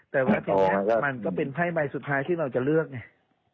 แต่ว่าธนาคารมันก็เป็นไพ่ใบสุดท้ายที่เราจะเลือกเนี่ย